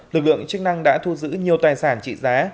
lực lượng chức năng đã thu giữ nhiều tài sản trị giá